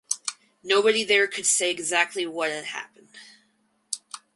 Nobody there could say exactly what had happened.